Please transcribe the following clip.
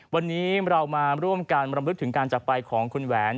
วันนี้เรามาร่วมกันบรรลึกถึงการจักรไปของคุณแหวน